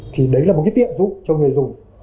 thì đấy là một cái tiện dụng cho người dùng